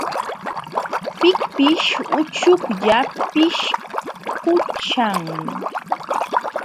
Pikpish uchuklla pishqucham.